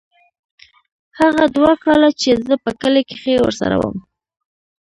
هغه دوه کاله چې زه په کلي کښې ورسره وم.